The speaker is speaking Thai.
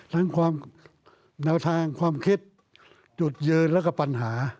ทั้งความแนวทางความคิดจุดยืนแล้วก็ปัญหา